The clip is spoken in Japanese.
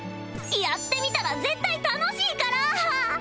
やってみたら絶対楽しいから